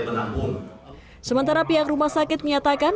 penampung sementara pihak rumah sakit menyatakan